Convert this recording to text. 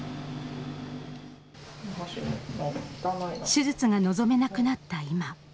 手術が望めなくなった今。